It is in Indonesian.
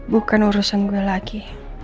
bukan urusan gue lagi